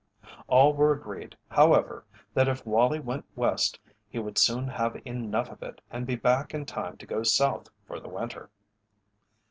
All were agreed, however, that if Wallie went West he would soon have enough of it and be back in time to go South for the winter.